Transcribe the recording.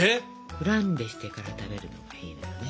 フランベしてから食べるのがいいのよ。